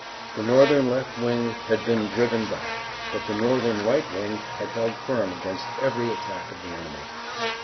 The Northern left wing had been driven back, but the Northern right wing had held firm against every attack of the enemy.